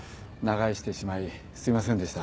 長居してしまいすいませんでした。